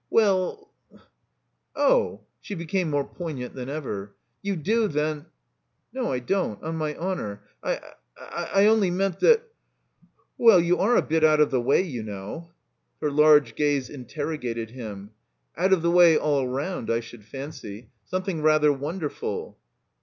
"Well—" "Oh!" (She became more pcrignant than ever.) "You do, then—" "No, I don't — on my honor I — ^I only meant that — ^well, you are a bit out of the way, you know." Her large gaze interrogated him. "Out of the way all round, I should fancy. Some thing rather wonderful."